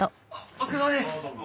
お疲れさまです。